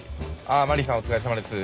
ああマリさんお疲れさまです。